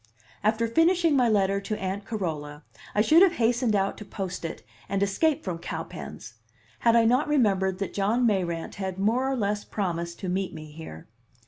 After finishing my letter to Aunt Carola I should have hastened out to post it and escape from Cowpens, had I not remembered that John Mayrant had more or less promised to meet me here.